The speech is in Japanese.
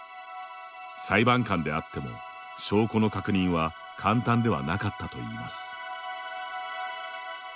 裁判官であっても、証拠の確認は簡単ではなかったといいます。